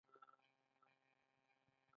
خټکی د شیدو سره هم خوړل کېږي.